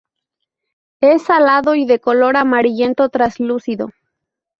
Es salado y de color amarillento traslúcido.